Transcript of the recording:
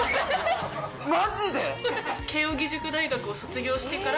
マジで！？